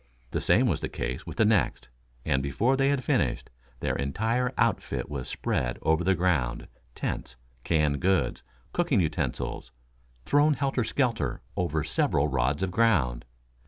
The same was the case with the next, and before they had finished, their entire outfit was spread over the ground, tents, canned goods, cooking utensils, thrown helter skelter over several rods of ground.